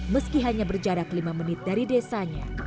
meski hanya berjarak lima menit dari desanya